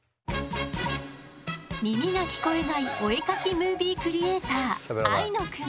耳が聞こえないお絵描きムービークリエーターあいのくん。